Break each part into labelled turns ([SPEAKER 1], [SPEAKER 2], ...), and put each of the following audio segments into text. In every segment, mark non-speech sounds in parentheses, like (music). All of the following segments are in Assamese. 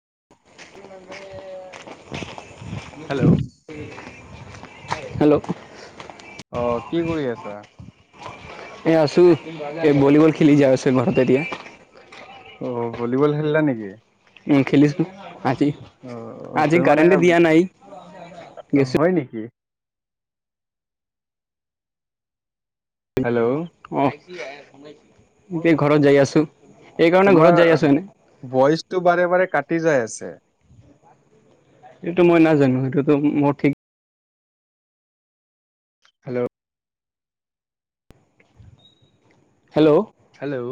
[SPEAKER 1] সেহতি মানে। (inaudible)
[SPEAKER 2] হেল্ল'!
[SPEAKER 1] হেল্ল'!
[SPEAKER 2] অ কি কৰি আছা?
[SPEAKER 1] এ আছো, এই ভলীবল খেলি যাই আছো ঘাৰতে এতিয়া।
[SPEAKER 2] অ ভলীবল খেলিলা নেকি?
[SPEAKER 1] উম খেলিছো আজি,
[SPEAKER 2] অ অ,
[SPEAKER 1] আজি
[SPEAKER 2] তুমি মানে
[SPEAKER 1] কাৰেণ্ট দিয়া নাই।
[SPEAKER 2] অ,
[SPEAKER 1] গেছো
[SPEAKER 2] হয় নেকি হেল্ল'!
[SPEAKER 1] এতি ঘৰত যাই আছো
[SPEAKER 2] তোমাৰ বইচটো বাৰে বাৰে কাটি যাই আছে
[SPEAKER 1] সেইটো মই নাজানো সেইটোতো মোৰ ঠিক
[SPEAKER 2] হেল্ল'
[SPEAKER 1] হেল্ল'!
[SPEAKER 2] Hello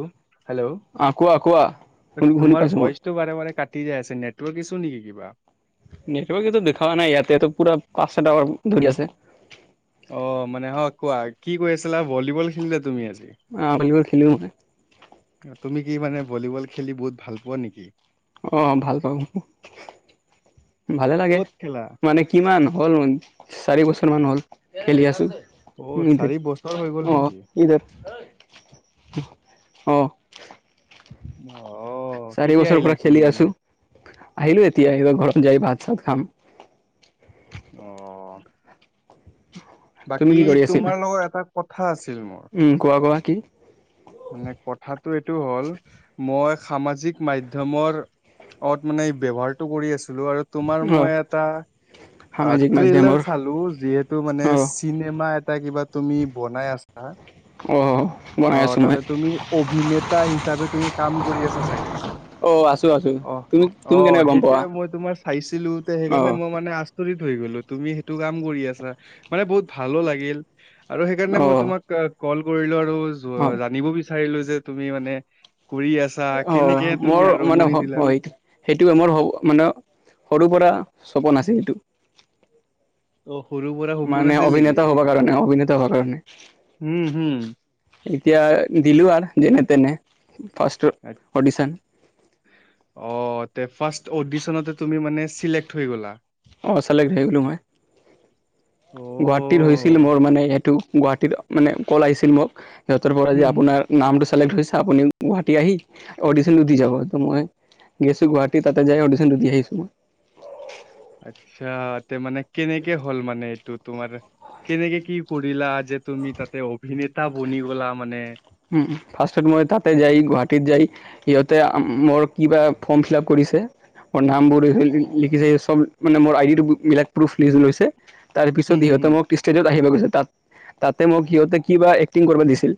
[SPEAKER 2] hello!
[SPEAKER 1] অঁ কোৱা কোৱা শুনি শুনি
[SPEAKER 2] তোমাৰ
[SPEAKER 1] পাইছোঁ মই
[SPEAKER 2] ভইচটো বাৰে বাৰে কা টি যায় আছে নেটৱৰ্ক ইছু নেকি কিবা?
[SPEAKER 1] নেটৱৰ্কেটো দেখা নাই ইয়াতে পুৰা পাঁচ ছ ধৰি আছে।
[SPEAKER 2] অ মানে হ কোৱা কি কৈ আছিলা ভলীবল খেলিলে তুমি আজি?
[SPEAKER 1] অ ভলীবল খেলো মই।
[SPEAKER 2] তুমি কি মানে ভলীবল খেলি বহুত ভাল পোৱা নেকি?
[SPEAKER 1] অ ভাল পাম। ভালে লাগে,
[SPEAKER 2] ক'ত খেলা
[SPEAKER 1] মানে কিমান হ'ল চাৰি বছৰ মান হ'ল। খেলি আছো।
[SPEAKER 2] অ
[SPEAKER 1] উম,
[SPEAKER 2] চাৰি বছৰ হৈ গ'ল
[SPEAKER 1] অ,
[SPEAKER 2] নেকি
[SPEAKER 1] কিজান? অ।
[SPEAKER 2] অ।
[SPEAKER 1] চাৰি
[SPEAKER 2] কেতিয়া
[SPEAKER 1] বছৰ
[SPEAKER 2] আহিলা
[SPEAKER 1] পৰা খেলি
[SPEAKER 2] কিনে
[SPEAKER 1] আছো, আহিলো এতিয়া আহ ঘৰত যাই ভাত চ খাম।
[SPEAKER 2] অ,
[SPEAKER 1] তুমি
[SPEAKER 2] বাকী
[SPEAKER 1] কি কৰি আছিলা?
[SPEAKER 2] তোমাৰ লগত এটা কথা আছিল? মোৰ
[SPEAKER 1] উম কোৱা কোৱা কি?
[SPEAKER 2] মানে কথাটো এইটো হ'ল মই সামাজিক মাধ্য়মৰ অত মানে ব্যৱহাৰটো কৰি আছো ছিলো আৰু তোমাৰ
[SPEAKER 1] অ
[SPEAKER 2] মই এটা অ
[SPEAKER 1] সামাজিক
[SPEAKER 2] ট্ৰেইলাৰ
[SPEAKER 1] মাধ্যমৰ
[SPEAKER 2] চালো যিহেতু মানে
[SPEAKER 1] অ
[SPEAKER 2] চিনেমা এটা কিবা তুমি বনাই আছ
[SPEAKER 1] অ বনাই আছো মই
[SPEAKER 2] তাতে তুমি অভিনেতা হিচাপে তুমি কাম কৰি আছা চাগে
[SPEAKER 1] অ আছো আছো
[SPEAKER 2] অ
[SPEAKER 1] তুমি
[SPEAKER 2] অ
[SPEAKER 1] তুমি কেনেকে গম পোৱা?
[SPEAKER 2] সেইটোয়ে মই তোমাৰ চাইছিলো তে
[SPEAKER 1] অ
[SPEAKER 2] সেইকাৰণে মই মানে আ থৈ গলো তুমি সেইটো কাম কৰি আছা মানে বহুত ভালো লাগিল আৰু সেইকাৰণে
[SPEAKER 1] অ
[SPEAKER 2] মই তোমাক কল কৰিলো আৰু
[SPEAKER 1] অ
[SPEAKER 2] জানিব বিচাৰিলো যে তুমি মানে কৰি আছা
[SPEAKER 1] অ
[SPEAKER 2] কেনেকে তুমি
[SPEAKER 1] মোৰ মানে
[SPEAKER 2] আৰম্ভণি দিলা
[SPEAKER 1] সেই সেইটো মোৰ মানে সৰু পৰা চকোন আছে এইটো
[SPEAKER 2] অ সৰু পৰা সপোন
[SPEAKER 1] মানে
[SPEAKER 2] আছিল নেকি
[SPEAKER 1] অভিনেতা হব কাৰণে অভিনেতা হব কাৰণে
[SPEAKER 2] হুম হুম
[SPEAKER 1] এতিয়া দিলো আৰু যেনে তেনে পাষ্ট্
[SPEAKER 2] আত-
[SPEAKER 1] অ'ডিশন
[SPEAKER 2] অ ফাৰ্ষ্ট অডিশনতে তুমি মানে চিলেক্ট হৈ গ'লা
[SPEAKER 1] অ চালেক্ট হৈ গলো মই গুৱাহাটীৰত হৈছিল
[SPEAKER 2] অ'
[SPEAKER 1] মোৰ মানে সেটো গুৱাহাটীৰত মানে কল আহিছিল মোক সিহতৰ পৰা
[SPEAKER 2] হুম হুম
[SPEAKER 1] আপোনাৰ নাম টো চালেক্ট হৈছে আপুনি গুৱাহাটী আহি অডিশ্যনটো দি যাব মই গৈছো গুৱাহাটী তাতে যাই অডিশ্যনটো দি আহিছো মই
[SPEAKER 2] আত্ছা তে মানে কেনেকে হ'ল মানে এইটো তোমাৰ কেনেকে কি কৰিলা যে তুমি তাতে অভিনেতা বনি গলা মানে
[SPEAKER 1] উ ফাৰ্ষ্ট মই তাতে যাই গুৱাহাটীত যায় সিহঁতে মোৰ কিবা ফৰ্ম ফিল আপ কৰি ম নাম বোৰ লিখিছে চব মানে মোৰ আই ডি বিলাক প্ৰুফ লি লৈছে তাৰ পিছত
[SPEAKER 2] হুম হুম
[SPEAKER 1] সিহঁতে
[SPEAKER 2] হুম
[SPEAKER 1] মোক ষ্টেজত আহিব গৈছে তাত তাতে মোক সিহঁতে কিবা এক্টিং কৰিব দিছিল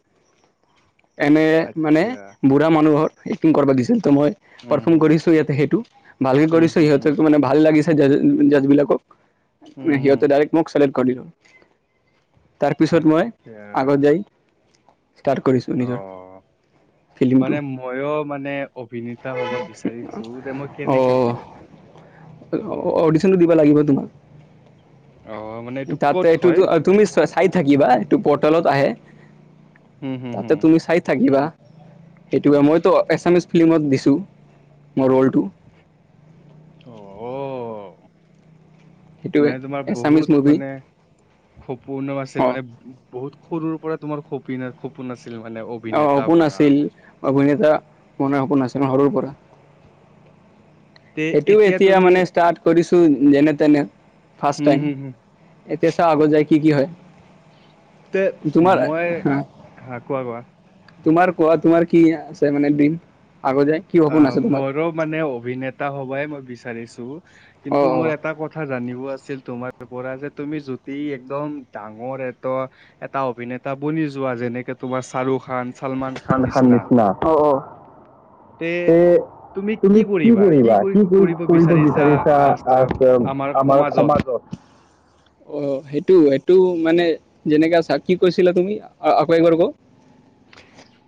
[SPEAKER 1] এনে মানে
[SPEAKER 2] আচ্ছা
[SPEAKER 1] বুঢ়া মানুহৰ এক্টিং কৰিব দিছিল মই
[SPEAKER 2] হুম
[SPEAKER 1] পাৰফৰ্ম
[SPEAKER 2] হুম
[SPEAKER 1] কৰিছো ইয়াতে সেইটো ভালকে
[SPEAKER 2] হুম
[SPEAKER 1] কৰিছো
[SPEAKER 2] হুম হুম
[SPEAKER 1] সিহঁত মানে ভাল লাগিছে জাৰ্জবিলাকক
[SPEAKER 2] হুম হুম
[SPEAKER 1] সিহঁতে ডাইৰেক্ট মোক চিলেক্ট কৰিব তাৰ পিছত মই
[SPEAKER 2] আচ্ছা
[SPEAKER 1] আগত যাই ষ্টাৰ্ট কৰিছোঁ
[SPEAKER 2] অ
[SPEAKER 1] নিজৰ। ফিল্মটো
[SPEAKER 2] মানে ময়ো মানে অভিনেতা হ'ব বিচাৰিছো যে মই কেনেকে হ'ম?
[SPEAKER 1] অ', অডিশ্যনটো দিব লাগিব।
[SPEAKER 2] অ মানে এইটো
[SPEAKER 1] তাতে
[SPEAKER 2] ক'ত হয়
[SPEAKER 1] এটোতো তুমি চাই থাকিবা এটো কত তলত আহে
[SPEAKER 2] হুম হুম
[SPEAKER 1] তাতে
[SPEAKER 2] হুম
[SPEAKER 1] তুমি চাই থাকিবা সেইটোৱে মইতো এছামিছ ফিল্মত দিছোঁ মোৰ ৰ'লটো
[SPEAKER 2] অ অ
[SPEAKER 1] সেইটোৱে
[SPEAKER 2] মানে তোমাৰ
[SPEAKER 1] এছামিছ
[SPEAKER 2] বহুত
[SPEAKER 1] মুভি
[SPEAKER 2] মানে সপোন আাছিল
[SPEAKER 1] অ'
[SPEAKER 2] মানে বহুত সৰুৰ পৰা তোমাৰ সপোন সপোন আছিল মানে
[SPEAKER 1] অ
[SPEAKER 2] অভিনেতা
[SPEAKER 1] সপোন
[SPEAKER 2] বনা
[SPEAKER 1] আছিল অভিনেতা মান সপোন আছিল সৰুৰ পৰা
[SPEAKER 2] তে
[SPEAKER 1] সেইটোও এতিয়া
[SPEAKER 2] তুমি
[SPEAKER 1] মানে ষ্টাৰ্ট কৰিছো যেনে তেনে ফাৰ্ষ্ট
[SPEAKER 2] হম
[SPEAKER 1] টাইম
[SPEAKER 2] হম হম
[SPEAKER 1] এতিয়া চাও আগত যায় কি কি হয়
[SPEAKER 2] তে
[SPEAKER 1] তোমাৰ
[SPEAKER 2] মই
[SPEAKER 1] হা
[SPEAKER 2] হাঁ কোৱা কোৱা
[SPEAKER 1] তোমাৰ কোৱা তোমাৰ কি আছে মানে বিম
[SPEAKER 2] অ মোৰো মানে অভিনেতা সবাই মই বিচাৰিছো
[SPEAKER 1] অ
[SPEAKER 2] কিন্তু
[SPEAKER 1] অ
[SPEAKER 2] মোৰ এটা কথা জানিব আছিল তোমাৰ পৰা যে তুমি যতি একদম ডাঙৰ এটা এটা অভিনেতা বনি যোৱা যেনেকে তোমাৰ শাহৰুখ খান চালমান
[SPEAKER 1] শ্বাহৰুখ খান
[SPEAKER 2] নিচিনা
[SPEAKER 1] নিচনা অ অ তে তুমি কি কৰিবা কি কৰি কৰিব বিচাৰিছা আমাৰ সমাজত
[SPEAKER 2] (inaudible)
[SPEAKER 1] অ', সেইটো, সেইটো মানে যেনেকে আছা কি কৈছিলা তুমি আকৌ এবাৰ ক?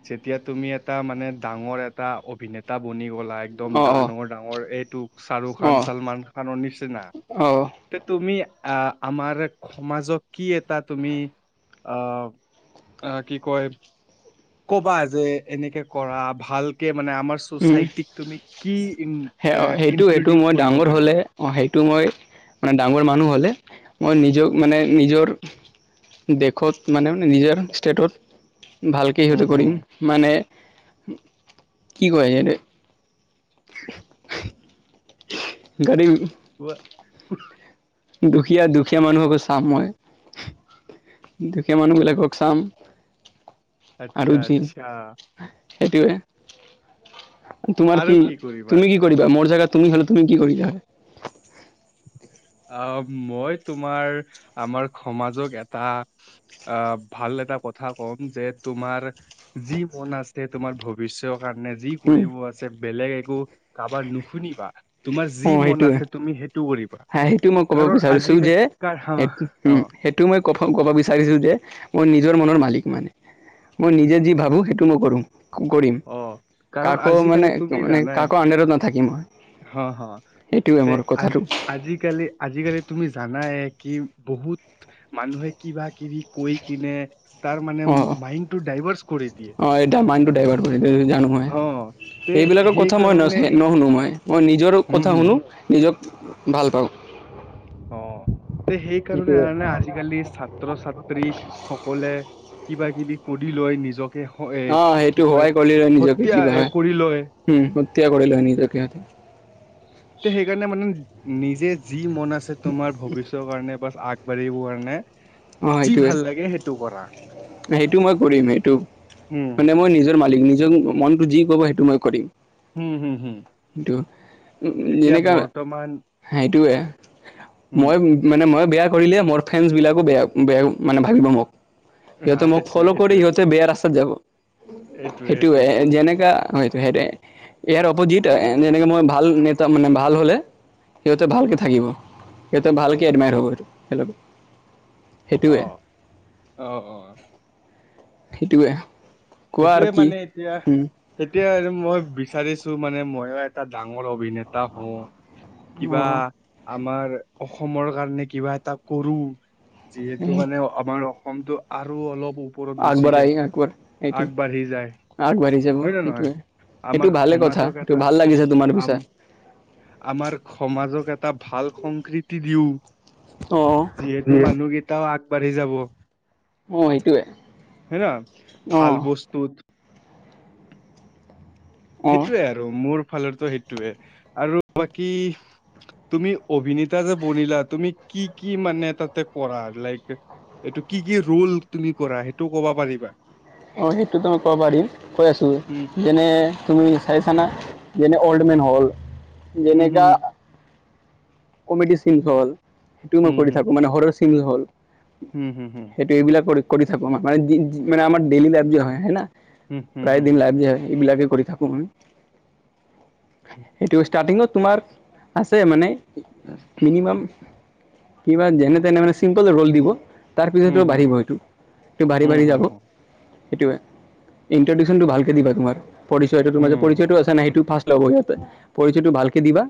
[SPEAKER 2] যেতিয়া তুমি এটা মানে ডাঙৰ এটা অভিনেতা বনি গলা একদম
[SPEAKER 1] অ অ
[SPEAKER 2] ডাঙৰ-ডাঙৰ এইটোক শ্বাহৰুখ খান চলমান খানৰ নিচিনা।
[SPEAKER 1] অ অ
[SPEAKER 2] ত তুমি আহ, আমাৰ সমাজক কি এটা তুমি আহ আহ কি কয়? কবা যে এনেকে কৰা ভালকে মানে আমাৰ চচাইটিক তুমি কি
[SPEAKER 1] স সেইটো-সেইটো
[SPEAKER 2] ইন্ট্ৰডিউচ
[SPEAKER 1] মই
[SPEAKER 2] কৰিব
[SPEAKER 1] ডাঙৰ হলে
[SPEAKER 2] পাৰিবা
[SPEAKER 1] অ', সেইটো মই মানে ডাঙৰ মানুহ হলে মই নিজক মানে নিজৰ দেশত মানে নিজৰ ষ্টেটত ভালকে
[SPEAKER 2] হম
[SPEAKER 1] সতে
[SPEAKER 2] হম
[SPEAKER 1] কৰিম
[SPEAKER 2] হম
[SPEAKER 1] মানে কি কয় যে
[SPEAKER 2] (inaudible)
[SPEAKER 1] গাড়ী।
[SPEAKER 2] ক (inaudible)
[SPEAKER 1] দুখীয়া-দুখীয়া মানুহকো চাম মই। দুখীয়া মানুহ বিলাকক চাম। আৰু যি
[SPEAKER 2] আচ্ছা-আচ্ছা।
[SPEAKER 1] সেইটোৱে। তোমাৰ
[SPEAKER 2] আৰু
[SPEAKER 1] কি,
[SPEAKER 2] কৰিবা
[SPEAKER 1] তুমি কি কৰিবা? মোৰ জেগাত তুমি হলে তুমি কি কৰিলা হয়?
[SPEAKER 2] অ', মই তোমাৰ আমাৰ সমাজক এটা আহ, ভাল এ কথা কম যে তোমাৰ যি মন আছে তোমাৰ ভৱিষ্যত কাৰণে যি
[SPEAKER 1] উম
[SPEAKER 2] কৰিব আছে বেলেগ একো কাৰোবাৰ নুশুনিবা। তোমাৰ যি মন আছে তুমি সেইটো কৰিবা।
[SPEAKER 1] সেই টো ক'ব
[SPEAKER 2] কাৰণ
[SPEAKER 1] বিচাৰিছো যে,
[SPEAKER 2] আজিকালি কাৰ হা অ
[SPEAKER 1] হুম সেইটো ক'ব বিচাৰিছো যে মই নিজৰ মনৰ মালিক মানে। মই নিজে যি ভাবো সেইটো মইকৰো। কৰিম
[SPEAKER 2] অ কাৰণ
[SPEAKER 1] কাকো
[SPEAKER 2] আজিকালি তুমি
[SPEAKER 1] মানে-মানে
[SPEAKER 2] জানাই
[SPEAKER 1] কাকো আডাৰত নাথাকিম মই। সেইটোৱে মোৰ কথাটো
[SPEAKER 2] আজ-আজি কালি আজিকালি তুমি জানা এ কি বহুত মানুহে কিবা কিবি কৈ কিনে তাৰ মানে
[SPEAKER 1] অঁ
[SPEAKER 2] মাইণ্ড টো ডাইভাৰ্চ কৰি দিয়ে।
[SPEAKER 1] ড্ৰাইভাৰ কৰি জানো মই
[SPEAKER 2] অ তে
[SPEAKER 1] এই বিলাকৰ কথা মই
[SPEAKER 2] সেইকাৰণে
[SPEAKER 1] নুশুনো মই মই নিজৰ
[SPEAKER 2] হম
[SPEAKER 1] কথা
[SPEAKER 2] হম
[SPEAKER 1] শুনো নিজক ভাল পাওঁ।
[SPEAKER 2] অ'। তে সেইকাৰণে
[SPEAKER 1] সেইটোৱে
[SPEAKER 2] আজিকালি ছাত্ৰ ছাত্ৰী সকলে কিবা কিবি কৰি লৈ নিজক এ
[SPEAKER 1] অঁ সেইটো
[SPEAKER 2] কি কয়
[SPEAKER 1] সহায় কৰি লয়
[SPEAKER 2] হত্যা এ কৰি লয়।
[SPEAKER 1] তিয়া কৰি লয় নিজকে সিহঁতি।
[SPEAKER 2] তে সেইকাৰণে মানে নিজে যি মন আছে তোমাৰ ভৱিষ্যৰ কাৰণে বা আগ গবাঢ়িব কাৰণে
[SPEAKER 1] অঁ
[SPEAKER 2] যি
[SPEAKER 1] সেইটোৱে
[SPEAKER 2] ভাল লাগে সেইটো কৰা।
[SPEAKER 1] সেইটো মই কৰিম সেইটো
[SPEAKER 2] উম
[SPEAKER 1] মানে মই নিজৰ মালিক নিজৰ মনতটো যি কব সেইটো মই কৰিম।
[SPEAKER 2] হম-হম-হম।
[SPEAKER 1] টো যেনেকুৱা, সেইটোৱে।
[SPEAKER 2] উম
[SPEAKER 1] মই মানে মই বেয়া কৰিলে মোৰ ফ্ৰেণ্ছ বিলাকো বেয়া-বেয়া মানে ভাবিব মোক।
[SPEAKER 2] হা
[SPEAKER 1] সিহঁতে মোক
[SPEAKER 2] সেইটোৱে
[SPEAKER 1] ফ'ল' কৰি
[SPEAKER 2] সেইটোৱে
[SPEAKER 1] সিহঁতে বেয়া ৰাস্তাত যাব,
[SPEAKER 2] এইটোৱে
[SPEAKER 1] সেইটো
[SPEAKER 2] সেইটোৱে
[SPEAKER 1] যেনেকা হয়টো সেইট ইয়াৰ অপজিট যেনেকে মই ভাল নেতা মানে ভাল হলে সিহঁতে ভালকে থাকিব, সিহঁতে ভালকে এডমাইাৰ হ'ব সটো সেই
[SPEAKER 2] অ'-অ'-অ'।
[SPEAKER 1] সেইটোৱে কোৱা আৰু
[SPEAKER 2] সেইটোয়ে
[SPEAKER 1] কি
[SPEAKER 2] মানে এতিয়া এতিয়া আৰু মই বিচাৰিছো মানে মই এটা ডাঙৰ অভিনেতা হওঁ কিবা
[SPEAKER 1] অঁ
[SPEAKER 2] আমাৰ অসমৰ কাৰণে কিবা এটা কৰো যিহেতু মানে আমাৰ অসমটো আৰু অলপ ওপৰত গুচি যায়
[SPEAKER 1] আগবঢ়াই আগবঢ়াৰ সেইটো
[SPEAKER 2] আগবাঢ়ি যায়
[SPEAKER 1] আগবাঢ়ি যাব
[SPEAKER 2] হয় নে নহয়
[SPEAKER 1] সেইটোৱে। এইটো
[SPEAKER 2] আমাৰ
[SPEAKER 1] ভালে কথা
[SPEAKER 2] সমাজক
[SPEAKER 1] এইটো
[SPEAKER 2] এটা
[SPEAKER 1] ভাল লাগিছে তোমাৰ
[SPEAKER 2] আম
[SPEAKER 1] পিছা
[SPEAKER 2] আমাৰ সমাজক এটা ভাল ভাল সংক্ৰীতি দিও
[SPEAKER 1] অঁ
[SPEAKER 2] যিহেতু মানুহকেইটাও আগবাঢ়ি যাব।
[SPEAKER 1] অ সেইটোৱে
[SPEAKER 2] ন ভাল
[SPEAKER 1] অঁ
[SPEAKER 2] বস্তুত
[SPEAKER 1] অঁ
[SPEAKER 2] সেইটোৱে আৰু মোৰ ফালৰ সেইটোৱে আৰু বাকী তুমি অভিনেতা যে বনিলা তুমি কি কি মানে তাতে কৰা লাইক এইটো কি কি ৰোল তুমি কৰা সেইটোও কবা পাৰিবা
[SPEAKER 1] অ সেইটোতো মই ক'ব পাৰিম কৈ আছো
[SPEAKER 2] উম
[SPEAKER 1] যেনে তুমি চাইছানা যেনে অল্ড মেন হল যেনেকা কমেডি চিন হল সেইটোও মই কৰি থাকো মানে হৰৰ চিন হ'ল (unintelligible) সেইটো এইবিলাক কৰি কৰি থাকো ম মানে আমাৰ ডেইলি লাইফ যি হয় না। (unintelligible) প্ৰায় দিন লাভ যে হয় এইবিলাকে কৰি থাকোঁ সেতু ষ্টাৰ্টিঙত তোমাৰ আছে মানে মিনিমাম কিবা যেনে তেনে মানে চিম্পল ৰল দিব (unintelligible) তাৰ
[SPEAKER 2] হুম
[SPEAKER 1] পিছতো
[SPEAKER 2] হুম
[SPEAKER 1] বাঢ়িব এইটোটো বাঢ়ি
[SPEAKER 2] হুম
[SPEAKER 1] বাঢ়ি
[SPEAKER 2] হুম
[SPEAKER 1] যাব
[SPEAKER 2] হুম
[SPEAKER 1] সেইটোৱে ইট্ৰউশচনটো ভালক দিবা তোমাৰ পৰিচয়মাৰ
[SPEAKER 2] হুম হুম
[SPEAKER 1] পৰিচয়টো আছে ন সেইটো ফাষ্ট (unintelligible) (unintelligible) পৰিচয়টো ভালে দিবা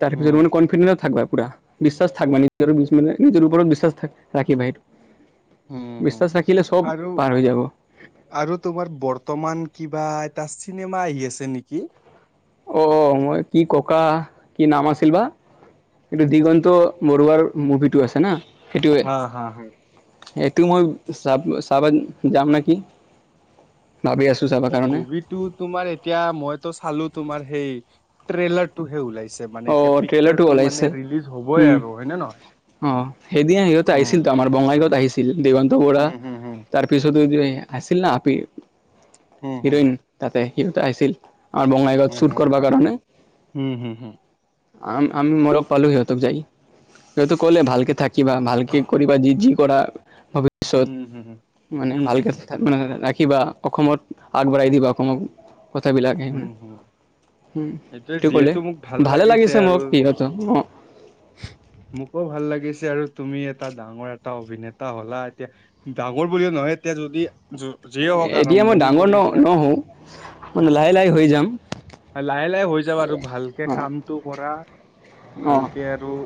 [SPEAKER 1] তাৰ পিছত মানে কনফিডেট থাকিবা। পুৰা বিশ্বাস থাক বা নিজৰ মানে নিজৰ ওপৰত বিশ্বাস ৰাখিবা সেইটো।
[SPEAKER 2] হুম হুম হুম।
[SPEAKER 1] বিশ্বাস ৰাখিলে চব
[SPEAKER 2] আৰু
[SPEAKER 1] পাৰ হৈ যাব
[SPEAKER 2] আৰু তোমাৰ বৰ্তমান কিবা এটা চিনেমা আহি আছে নেকি?
[SPEAKER 1] অ মই কি ককা কি নাম আছিল বা এইটো দিগন্ত মৰুৱাৰ মুভিটো আছে না। (unintelligible)
[SPEAKER 2] হা হা হা
[SPEAKER 1] এইটো মই চাব চাবা যাম নেকি? ভাবি আছোঁ চাবৰ
[SPEAKER 2] অ
[SPEAKER 1] কাৰণে
[SPEAKER 2] মুভিটো তোমাৰ এতিয়া মইতো চালো তোমাৰ সেই ট্ৰেলাৰটোহে ওলাইছে- ছে
[SPEAKER 1] অ
[SPEAKER 2] মানে এতিয়া
[SPEAKER 1] ট্ৰেইলাৰটো
[SPEAKER 2] পিকাৰটো
[SPEAKER 1] ওলাইছে
[SPEAKER 2] মানে ৰিলিজ হবই
[SPEAKER 1] উম
[SPEAKER 2] আৰু হয় নে নহয়
[SPEAKER 1] অ সেইদিন সিহঁতে
[SPEAKER 2] হুম
[SPEAKER 1] আহিছিল তো আমাৰ বঙাইগাঁৱত আহিছিল। দেৱন্ত বৰা
[SPEAKER 2] হুম হুম
[SPEAKER 1] তাৰ পিছত যে আছিল না আপি (unintelligible)
[SPEAKER 2] হুম হুম
[SPEAKER 1] হিৰোইন তাতে হিৰটা আহিছিল। (unintelligible) আৰু বঙাইগাঁত
[SPEAKER 2] হুম
[SPEAKER 1] চুট কৰবা কাৰণে।
[SPEAKER 2] হুম হুম
[SPEAKER 1] (unintelligible)
[SPEAKER 2] হুম
[SPEAKER 1] আম আমি মৰ পালো সিহতক যায়। সেটো কলে ভালকে থাকিবা ভালকে কৰিবা যি যি কৰা। (unintelligible) ভৱিষ্যত
[SPEAKER 2] হুম হুম
[SPEAKER 1] মানে
[SPEAKER 2] হুম হুম হুম হুম
[SPEAKER 1] ভালকে
[SPEAKER 2] হুম হুম
[SPEAKER 1] মানে ৰা- (unintelligible) কিবা অসমত আগবাঢ়াই দিবা অসমক কথাবিলাক সেইভুনে
[SPEAKER 2] হুম হুম।
[SPEAKER 1] হোম
[SPEAKER 2] এইটোৱে
[SPEAKER 1] সেইটো ক'লে
[SPEAKER 2] যিহেতু মোক ভাল
[SPEAKER 1] ভালে লাগিছে মোক
[SPEAKER 2] আৰু
[SPEAKER 1] সিহঁত অ
[SPEAKER 2] মোকো ভাল লাগিছে আৰু তুমি এটা ডাঙৰ এটা অভিনেতা হলা এতিয়া ডাঙৰ বুলি ন- (unintelligible) হয় এতিয়া যদি য- যিয়ে হওক
[SPEAKER 1] এতিয়া মই
[SPEAKER 2] আৰম্ভণি
[SPEAKER 1] ডাঙৰ ন
[SPEAKER 2] কৰিছা
[SPEAKER 1] নহওঁ মানে লাহে লাহে হৈ যাম।
[SPEAKER 2] লাহে লাহে হৈ যাব আৰু ভালকে
[SPEAKER 1] অ',
[SPEAKER 2] কামটো কৰা
[SPEAKER 1] অ'।
[SPEAKER 2] ভালকে আৰু।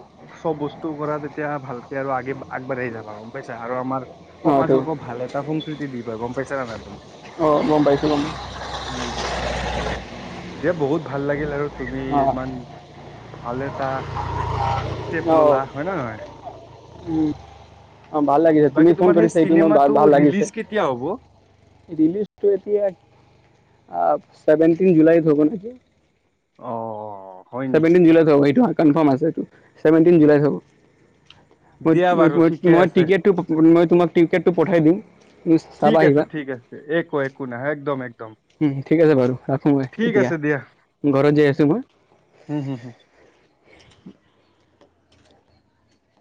[SPEAKER 2] চব বস্তু কৰা তেতিয়া ভালকৈ আৰু আগি আগবাঢ়ি যাবা গম পাইছা আৰু আমাৰ
[SPEAKER 1] অ এইটো
[SPEAKER 2] সমাজকো ভাল এটা সংক্ৰীতি দিবা গম পাইছা জানা তুমি
[SPEAKER 1] অ গম পাইছো গম
[SPEAKER 2] (unintelligible) উম দিয়া বহুত ভাল লাগিল আৰু তুমি
[SPEAKER 1] অ
[SPEAKER 2] ইমান ভাল এটা। ষ্টেপ
[SPEAKER 1] অ
[SPEAKER 2] ললা হয় নে নহয়। (unintelligible)
[SPEAKER 1] উম অ ভাল লাগিছে তুমি
[SPEAKER 2] বাকী
[SPEAKER 1] ফোন
[SPEAKER 2] তোমাৰ সেই
[SPEAKER 1] কৰিছা এইটো ই
[SPEAKER 2] চিনেমাটো
[SPEAKER 1] ভাল লাগিছে।
[SPEAKER 2] ৰিলিজ কেতিয়া হ'ব
[SPEAKER 1] লিজটো এতিয়া আ। ছেভেটিন জুলাইত হ'ব নেকি।
[SPEAKER 2] অ অ
[SPEAKER 1] ছেভেন টিন জুলাইত হব সেইটো আ কনফ্ৰম আছে সেইটো ছেভেন টিন জুলাইত
[SPEAKER 2] অ
[SPEAKER 1] হ'ব। ৱেট
[SPEAKER 2] দিয়া বাৰু
[SPEAKER 1] ৱেট ৱেট
[SPEAKER 2] ঠিকে
[SPEAKER 1] মই
[SPEAKER 2] আছে
[SPEAKER 1] টিকট মই তোমাক টিকটটো পঠাই দিম। তুমি
[SPEAKER 2] ঠিক
[SPEAKER 1] চাবা
[SPEAKER 2] আছে
[SPEAKER 1] আহিবা
[SPEAKER 2] ঠিক আছে একো একো নাই একদম একদম।
[SPEAKER 1] উম ঠিক আছে বাৰু ৰাখো মই
[SPEAKER 2] ঠিক
[SPEAKER 1] এতিয়া
[SPEAKER 2] আছে
[SPEAKER 1] ঘৰত যাই আছো মই।
[SPEAKER 2] হু হু হু (unintelligible)
[SPEAKER 1] (inaudible)